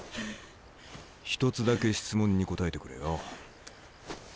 一つだけ質問に答えてくれよ。